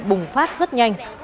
bùng phát rất nhanh